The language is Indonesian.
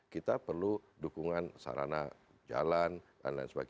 kita perlu dukungan sarana jalan dll